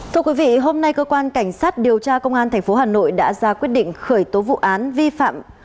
thưa quý vị hôm nay cơ quan cảnh sát điều tra công an tp hà nội đã ra quyết định khởi tố vụ án vi phạm